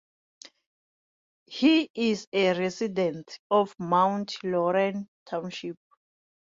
He is a resident of Mount Laurel Township.